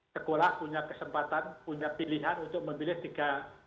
sekolah punya kesempatan punya pilihan untuk memilih tiga